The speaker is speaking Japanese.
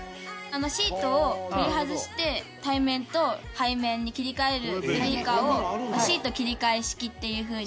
シートを取り外して対面と背面に切り替えるベビーカーをシート切替式っていう風に。